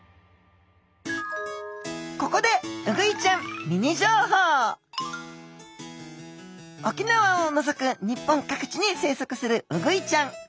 ここで沖縄を除く日本各地に生息するウグイちゃん。